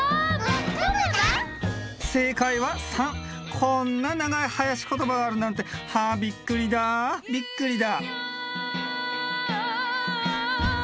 こんな長いはやしことばがあるなんてはあびっくりだびっくりだ「イーヤー」